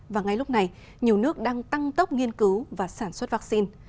và ngay lúc này nhiều nước đang tăng tốc nghiên cứu và sản xuất vaccine